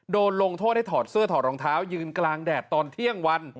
ลงโทษให้ถอดเสื้อถอดรองเท้ายืนกลางแดดตอนเที่ยงวัน